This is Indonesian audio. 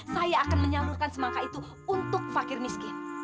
saya akan menyalurkan semangka itu untuk fakir miskin